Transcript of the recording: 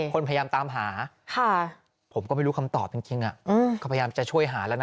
คนพยายามตามหาผมก็ไม่รู้คำตอบจริงก็พยายามจะช่วยหาแล้วนะ